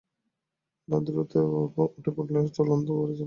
এলা দ্রুত উঠে পড়ে বললে, চলো অন্তু, ঘরে চলো।